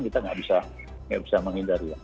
kita tidak bisa menghindari